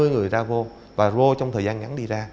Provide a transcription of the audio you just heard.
hai mươi người ra vô và vô trong thời gian ngắn đi ra